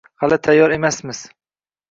hali tayyor emasmiz»